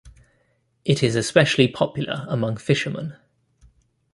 It is especially popular among fishermen.